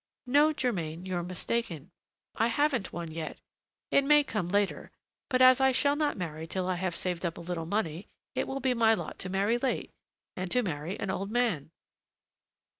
"No, Germain, you're mistaken, I haven't one yet; it may come later: but as I shall not marry till I have saved up a little money, it will be my lot to marry late and to marry an old man."